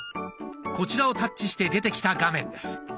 こちらをタッチして出てきた画面です。